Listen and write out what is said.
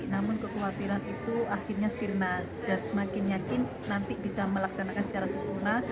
namun kekhawatiran itu akhirnya sirna dan semakin yakin nanti bisa melaksanakan secara sempurna